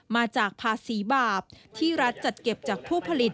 มาจากภาษีบาปที่รัฐจัดเก็บจากผู้ผลิต